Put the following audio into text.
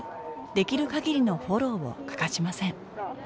できる限りのフォローを欠かしません